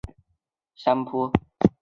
乌伦古河发源于阿尔泰山南坡。